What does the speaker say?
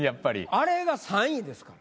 あれが３位ですから。